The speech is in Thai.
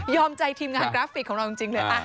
ใจทีมงานกราฟิกของเราจริงเลย